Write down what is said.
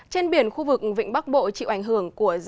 trên biển khu vực vịnh bắc bộ